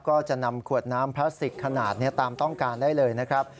ก็จะนำขวดน้ำพลาสติกขนาดนี้ตามต้องการได้เลยนะครับ